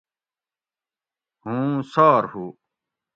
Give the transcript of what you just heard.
ھوں سار ہو